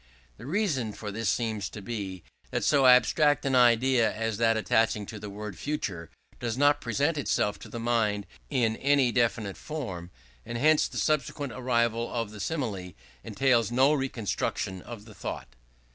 The reason for this seems to be, that so abstract an idea as that attaching to the word "future," does not present itself to the mind in any definite form, and hence the subsequent arrival at the simile entails no reconstruction of the thought.